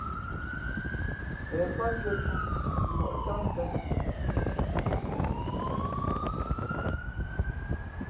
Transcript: Pěn kwát ndʉ̄ᾱ ntū ngwᾱʼ ntám mvēnα.